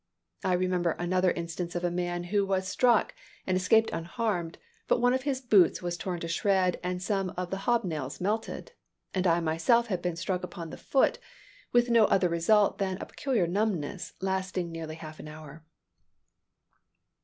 I remember another instance of a man who was struck, and escaped unharmed; but one of his boots was torn to shreds and some of the hobnails melted: and I myself have been struck upon the foot, with no other result than a peculiar numbness, lasting nearly half an hour.